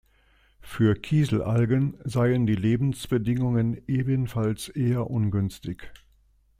Für Kieselalgen seien die Lebensbedingungen ebenfalls eher ungünstig.